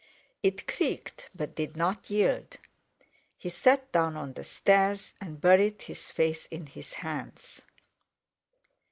It creaked, but did not yield. He sat down on the stairs and buried his face in his hands.